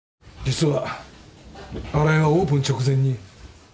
実は新井はオープン直前に。